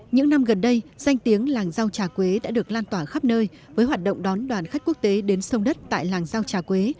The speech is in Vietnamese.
những năm gần đây danh tiếng làng rau trà quế đã được lan tỏa khắp nơi với hoạt động đón đoàn khách quốc tế đến sông đất tại làng rau trà quế